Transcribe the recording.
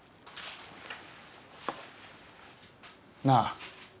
なあ。